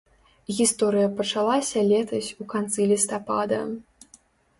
Гісторыя пачалася летась у канцы лістапада.